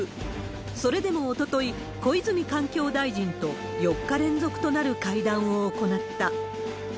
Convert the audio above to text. それでもおととい、小泉環境大臣と４日連続となる会談を行った。